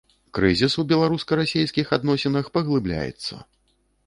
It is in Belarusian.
Крызіс у беларуска-расейскіх адносінах паглыбляецца.